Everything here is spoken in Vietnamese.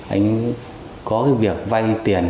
anh có việc vay tiền